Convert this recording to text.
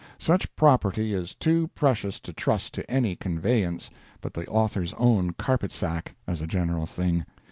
Such property is too precious to trust to any conveyance but the author's own carpet sack, as a general thing.